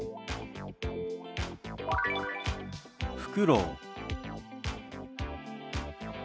「ふくろう」。